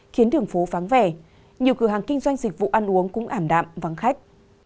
khiến đường phố vắng vẻ nhiều cửa hàng kinh doanh dịch vụ ăn uống cũng ảm đạm vắng khách